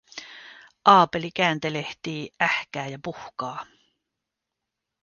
Aapeli kääntelehtii, ähkää ja puhkaa.